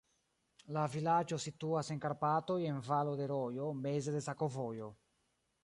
La vilaĝo situas en Karpatoj, en valo de rojo, meze de sakovojo.